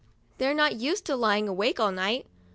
They're not used to lying awake all night.